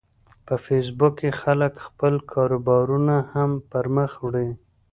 په فېسبوک کې خلک خپل کاروبارونه هم پرمخ وړي